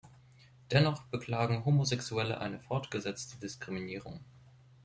Dennoch beklagen Homosexuelle eine fortgesetzte Diskriminierung.